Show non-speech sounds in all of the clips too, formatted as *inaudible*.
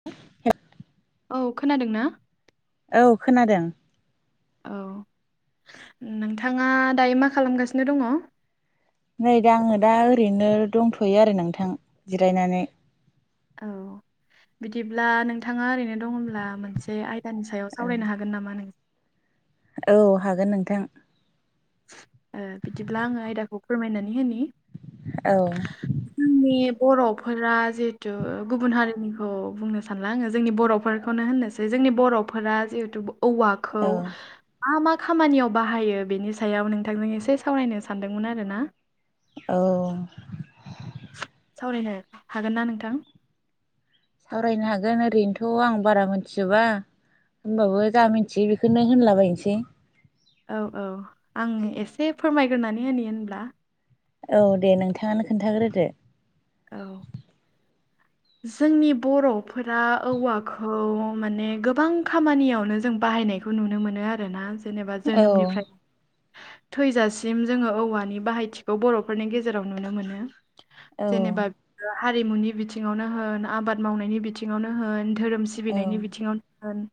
*unintelligible* औ खोनादों ना? औ खोनादों। औ नोंथाङा दायो मा खालामगासिनो दङ? नै दा आङो दा ओरैनो दंथ'यो आरो नोंथां जिरायनानै औ *inaudible* बिदिब्ला नोंथाङा ओरैनो दङब्ला मोनसे आयदानि सायाव औ सावरायनो हागोन नामा नों? औ हागोन नोंथां। बिदिब्ला आङो आयदाखौ फोरमायनानै होननि औ जोंनि बर'फोरा जिहेथु गुबुन हारिनिखौ बुंनो सानला आङो जोंनि बर'फोरखौनो होननोसै जोंनि बर'फोरा जिहेतु औवाखौ औ मा मा खामानियाव बाहायो बेनि सायाव नोंथांजों एसे सावरायनो सानदोंमोन आरो ना। औ सावरायनो हागोन ना नोंथां? सावरायनो हागोन ओरैनोथ' आं बारा मिथिजोबा। होनबाबो जा मिथियो बेखौनो होनलाबायनोसै। औ औ आं एसे फोरमायग्रोनानै होनो होनब्ला। औ दे नोंथाङानो खोन्थाग्रोदो। औ जोंनि बर'फोरा औवाखौ माने गोबां खामानियावनो जों बाहायनायखौ बेखौ नुनो मोनो आरोना। जेनेबा औ जोनोमनिफ्राय थैजासिम जोङो औवानि बाहायथि बेखौ बर'फोरनि गेजेराव नुनो मोनो औ जेनेबा हारिमुनि बिथिं बिथिङावनो होन आबाद मावनायनि बिथिङावनो होन धोरोम औ सिबिनायनि बिथिङावनो होन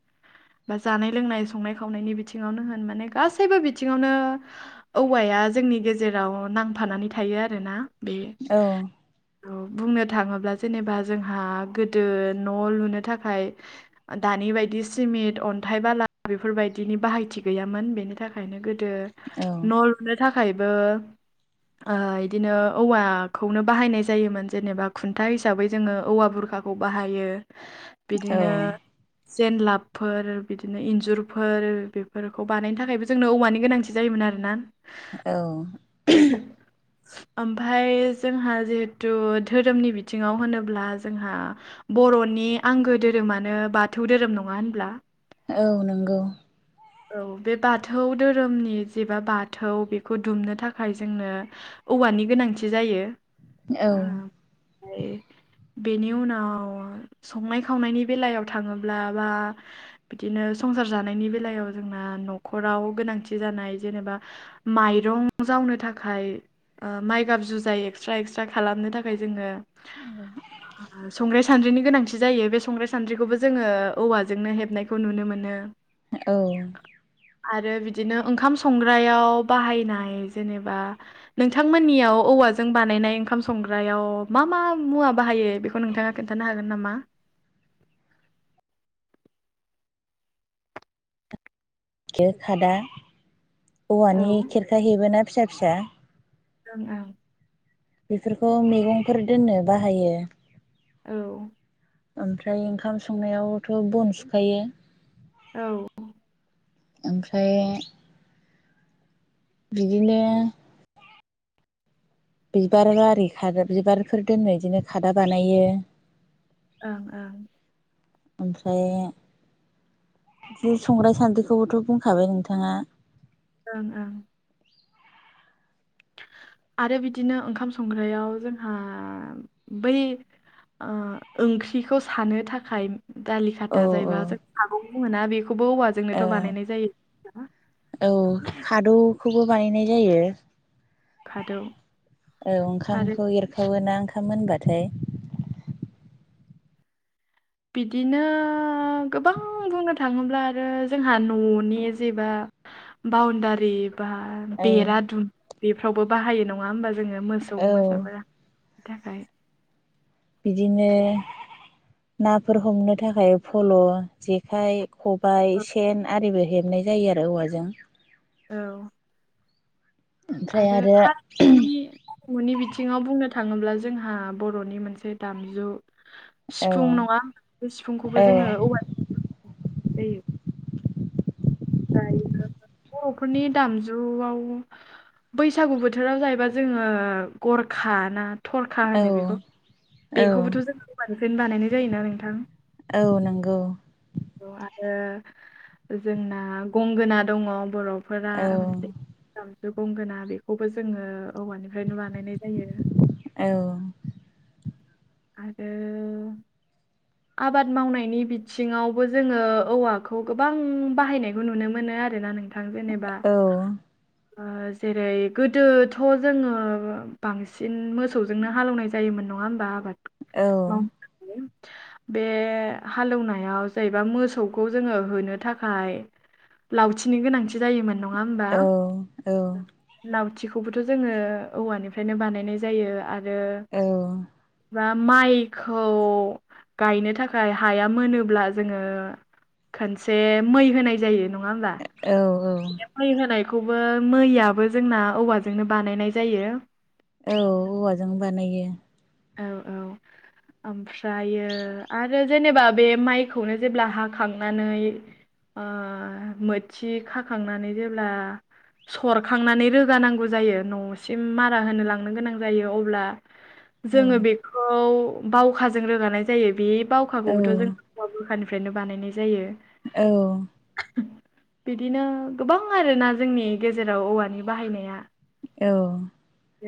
बा जानाय लोंनाय संनाय खावनायनि बिथिङावनो होन माने गासैबो बिथिङावनो औवाया जोंनि गेजेराव नांफानानै थायो आरो ना। बे औ औ बुंनो थाङोब्ला जेनेबा जोंहा गोदो न' लुनो थाखाय दानि बायदि सिमिट अन्थाइ बाला बेफोरबायदिनि बाहायथि गैयामोन बेनि थाखायनो गोदो न' लुनो थाखायबो ओ इदिनो औवाखौनो बाहायनाय जायोमोन जेनेबा खुन था हिसाबै जोङो औवा बुरखाखौ बाहायो औ बिदिनो जेनलाबफोर बिदिनो इन्जुरफोर बेफोरखौ बानायनो थाखाय बो जोंनो औवानि गोनांथि जायोमोन आरो ना। औ ओमफाय जोंहा जिहेथु धोरोमनि बिथ थिङाव होनोब्ला जोंहा बर'नि आंगो धोरोमानो बाथौ धोरोम नङा होनब्ला? औ नंगौ। औ बे बाथौ धोरोमनि जेबा बाथौ बेखौ दुमनो थाखाय जोंनो औवानि गोनांथि जायो। ओमफ्राय औ *inaudible* बेनि उनाव संनाय खावनायनि बेलायाव थाङोब्ला बा बिदिनो संसार जानायनि बेलायाव जोंना न'खराव गोनांथि जानाय जेनेबा माइरं जावनो थाखाय ओ माइगाब जुजाय एक्सट्रा एक्सट्रा खालामनो थाखाय जोङो *inaudible* आ *inaudible* संग्राय सान्द्रिनि गोनांथि जायो बे संग्राय सान्द्रिखौबो जोङो औवाजोंनो हेबनायखौ नुनो मोनो। औ आरो बिदिनो ओंखाम संग्रायाव बाहायनाय जेनेबा नोंथांमोननियाव औवाजों बानायनाय ओंखाम संग्रायाव मा मा मुवा बाहायो बेखौ नोंथाङा खोन्थानो हागोन नामा? खादा औ औवानि ओं खेरखा हेबोना फिसा फिसा। ओं ओं। बेफोरखौ मैगंफोर दोननो बाहायो। औ ओमफ्राय ओंखाम संनायावथ' बन सुखायो। औ ओमफ्राय बिदिनो बिबार बारि खाद बिबारफोर दोननो बिदिनो खादा बानायो। ओं ओं। ओमफ्राय जे संग्राय सान्द्रिखौबोथ' बुंखाबाय नोंथाङा। ओं ओं। आरो बिदिनो ओंखाम संग्रायाव जोंहा बै ओ ओंख्रिखौ सानो थाखाय दालि औ खाथा जायबा जों सागं बुङोना बेखौबो औवा औ जोंनोथ' बानायनाय जायो। औ खादौखौबो बानायनाय जायो। खादौ औ आरो ओंखामखौ एरखावोना ओंखाम मोनबाथाय। बिदिनो गोबां बुंनो थाङोब्ला आरो जोंहा न'नि जेबा बाउणडारि बा औ बेरा दुमो बेफ्रावबो बाहायो नङा होमबा जोङो मोसौ औ मोसाफोरा बेनि थाखाय बिदिनो नाफोर हमनो थाखाय फल' जेखाइ, खबाय, सेन आरिबो हेबनाय जायो आरो औवाजों औ आरो खानि बिथिङाव बुंनो थाङोब्ला जोंहा बर'नि मोनसे दामजु सिफुं औ नङा बे औ सिफुंखौबो जोङो औवा जायो यो बर'फोरनि दामजुआव बैसागु बोथोराव जाहैबा जोङो गरखा ना थरखा औ होनो बेखौ औ बेखौबोथ' जों गोमानिफ्रायनो बानायनाय जायोना नोंथां औ नंगौ आरो जोंना गंगोना दङ बर' फोरा औ मोनसे दामजु गंगोना बेखौबो जोङो औवानिफ्रायनो बानायनाय जायो। औ आरो आबाद मावनायनि बिथिङावबो जोङो औवाखौ गोबां बाहायनायखौ नुनो मोनो आरोना नों थां जेनेबा औ ओ जेरै गोदोथ' जोङो बांसिन मोसौजोंनो हालेवनाय जायोमोन नङा होमबा आबाद औ मावनो बे हालेवनायाव जाहैबा मोसौखौ जोङो होनो थाखाय लावथिनि गोनांथि जायोमोन नङा होमबा औ लावथिखौबोथ' जोङो औवानिफ्रायनो बानायनाय जायो आरो औ बा माइखौ गायनो थाखाय हाया मोनोब्ला जोङो खनसे मै होनाय जायो नङा होमबा औ मै होनायखौबो मैयाबो जोंना औवाजोंनो बानायनाय जायो। औ औवाजों बानायो औ औ। ओमफ्रायो आरो जेनेबा बे माइखौनो जेब्ला हाखांनानै ओ मोथि खाखांनानै जेब्ला सरखांनानै रोगानांगौ जायो न'सिम मारा होनो लांनो गोनां जायो अब्ला औ जोङो बेखौ बावखाजों रोगानाय जायो बे औ बावखाखौबोथ' जों औवा बुरखानिफ्रायनो बानायनाय जायो। औ बिदिनो गोबां आरोना जोंनि गेजेराव औवानि बाहायनाया औ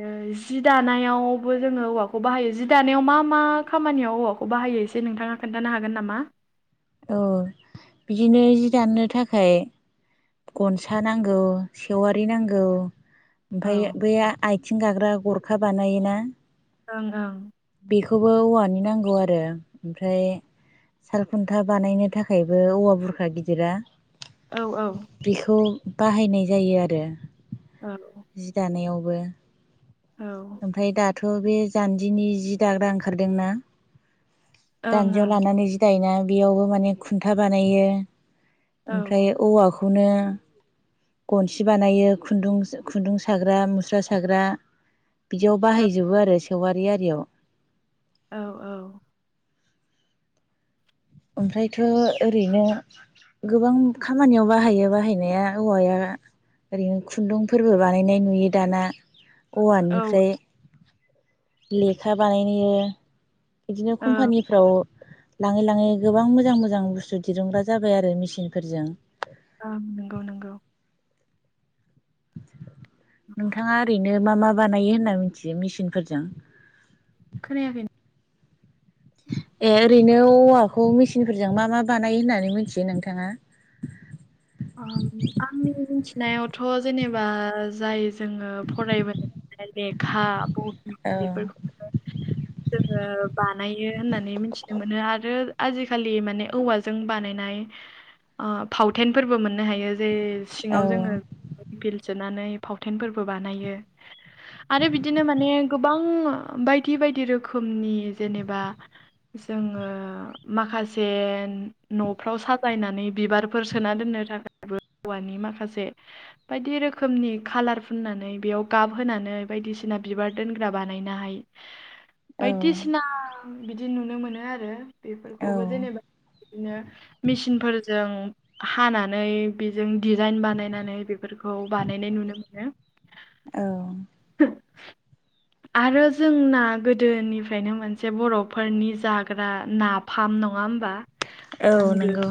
ओ जि दानायावबो जोङो औवा खौ बाहायो जि दानायाव मा मा खामानियाव औवाखौ बाहायो एसे नोंथाङा खोन्थानो हागोन नामा? औ बिदिनो जि दानो थाखाय गनसा नांगौ सेवारि नांगौ औ ओमफ्राय ओं बै आथिं गाग्रा गरखा बानायोना ओं ओं बेखौबो औवानि नांगौ आरो ओमफ्राय सालखुन्था बानायनो थाखायबो औवा बुरखा गिदिरा औ औ। बेखौ बाहायनाय जायो आरो औ जि दानायावबो औ ओमफ्राय दाथ' बे जान्जिनि जि दाग्रा ओंखारदोंना ओं जान्जियाव लानानै जि दायोना बेयावबो माने खुन्था बानायो औ ओमफ्राय औवाखौनो गनसि बानायो खुन्दुं खुन्दुं साग्रा मुस्रा साग्रा बिदियाव औ बाहायजोबो आरो सेवारि आरियाव औ औ ओमफ्रायथ' ओरैनो गोबां खामानियाव बाहायो बाहायनाया औवाया ओरैनो खुन्दुंफोरबो बानायनाय नुयो दाना औ औवानिफ्राय लेखा बानायो इदिनो ओं कम्पानि औ लाङै लाङै गोबां मोजां मोजां बुस्थु दिरुंग्रा जाबाय आरो मिसिनफोरजों। ओम नोंगौ नोंगौ। नोंथाङा ओरैनो मा मा बानायो होनना मिथियो मेसिनफोरजों खोनायाखैन *inaudible* ए ओरैनो औवाखौ मिचिनफोरजों मा मा बानायो होननानै मिथियो नोंथाङा? उम आंनि मिथिनायावथ' जेनेबा जाय जोङो फरायबोनो लेखा बहि औ बेफोर *unintelligible* जोङो बानायो होननानै मिथिनो मोनो आरो आजिखालि माने औवाजों बानायनाय ओ फावथेनफोरबो मोननो हायो जे औ सिङाव जोङो बिल सोनानै फावथेनफोरबो बानायो आरो बिदिनो माने गोबां बायदि बायदि रोखोमनि जेनेबा जोङो माखासे न'फ्राव साजायनानै बिबारफोर स सोना दोननो थाखायबो हौवानि माखासे बायदि रोखोमनि खालार फुननानै बेयाव गाबहोनानै बायदिसिना बिबार दोनग्रा बानायनाहाय औ बायदिसिना बिदि नुनो मोनो आरो औ बेफोरखौबो जेनेबा बिदिनो मिसिनफोरजों हानानै बिजों डिजाइन बानायनानै बेफोरखौ बानायनाय नुनो मोनो औ *unintelligible* आरो जोंना गोदोनिफ्रायनो मोनसे बर'फोरनि जाग्रा ना फाम नङा होमबा औ आंगो नंगौ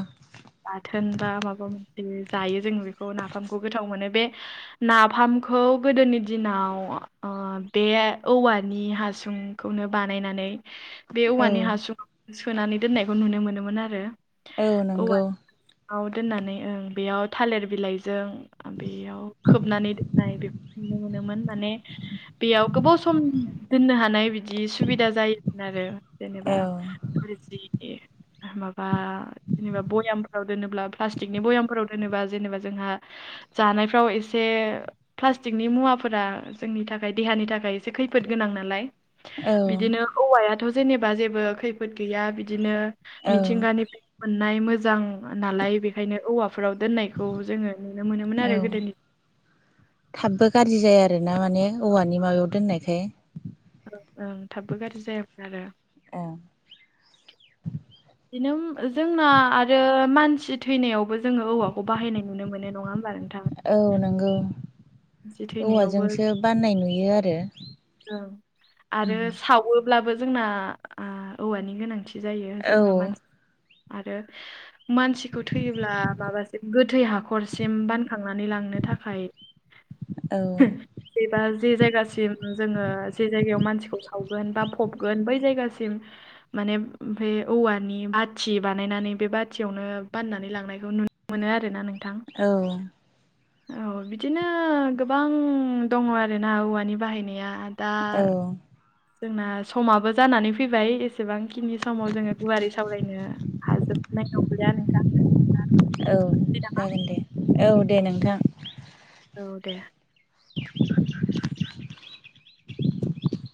बाथोन बा माबा मोनसे जायो जोङो बेखौ नाफामखौ गोथाव मोनो बे नाफामखौ गोदोनि दिनाव औवा बे औवानि हासुंखौनो बानायनानै बे औ औवानि हासुं सोनानै दोननायखौ नुनो मोनोमोन आरो। औ नोंगौ। आव दोननानै ओं बेयाव थालिर बिलाइजों बेयाव खोबनानै दोननाय बेफोरखौ नुनो मोनोमोन माने बेयाव गोबाव सम दोननो हानाय बिदि सुबिदा जायोमोन आरो जेनेबा औ *unintelligible* जि माबा जेनेबा भयामफोराव दोनोब्ला प्लास्टिकनि भयामफोराव दोनोबा जेनेबा जोंहा जानायफ्राव एसे प्लास्टिकनि मुवाफोरा जोंनि थाखाय देहानि थाखाय इसे खैफोद गोनां नालाय औ बिदिनो औवायाथ' जेनेबा जेबो खैफोद गैया बिदिनो औ मिथिंगानि फाय मोननाय मोजां नालाय बेखायनो औवाफोराव दोननायखौ जोङो नुनो मोनोमोन औ आरो गोदोनि थाबबो गाज्रि जाया आरोना माने औवानि माबायाव दोननायखाय ओं ओं थाबबो गाज्रि जायामोन आरो। *unintelligible* बिदिनो जोंना आरो मानसि थैनायावबो जोङो औवाखौ बाहायनाय नुनो मोनो नङा होमबा नोंथां औ नोंगौ मानसि थैनायावबो औवाजोंसो बाननाय नुयो आरो औ आरो सावोब्लाबो जोंना आ औवानि गोनांथि जायो औ जेनेबा मानसि आरो मानसिखौ थैयोब्ला माबादि गोथै हाखरसिम बानखांनानै लांनो थाखाय औ *unintelligible* एबा जे जायगासिम जोङो जे जायगायाव मानसिखौ सावगोन बा फबगोन बै जायगासिम माने ओमफ्राय औवानि बाथि बानायनानै बे बाथियावनो बाननानै लांनायखौ नुनो मोनो आरोना नोंथां औ औ बिदिनो गोबां दङ आरोना औवानि बाहायनाया दा औ जोंना समाबो जानानै फैबाय जेसेबांखिनि समाव जोङो गुवारि सावरायनो हाजोबनाय नंलिया नोंथां औ औ दे नोंथां औ दे। *inaudible*